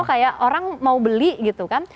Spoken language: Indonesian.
kayak orang mau beli gitu kan